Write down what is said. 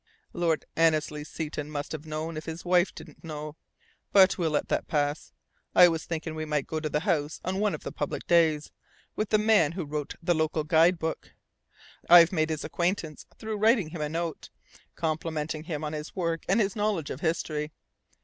"Lord Annesley Seton must have known, if his wife didn't know. But we'll let that pass. I was thinking we might go to the house on one of the public days, with the man who wrote the local guide book. I've made his acquaintance through writing him a note, complimenting him on his work and his knowledge of history.